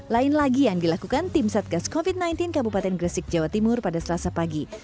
lain lagi yang dilakukan tim satgas covid sembilan belas kabupaten gresik jawa timur pada selasa pagi